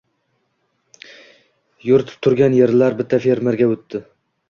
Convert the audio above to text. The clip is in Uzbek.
yuritib turgan yerlar bitta «fermer»ga o‘tdi.